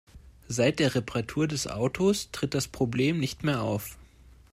Seit der Reparatur des Autos tritt das Problem nicht mehr auf.